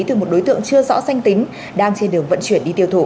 từ một đối tượng chưa rõ danh tính đang trên đường vận chuyển đi tiêu thụ